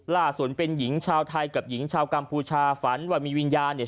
ล่าสุดเป็นหญิงชาวไทยกับหญิงชาวกัมพูชาฝันว่ามีวิญญาณเนี่ย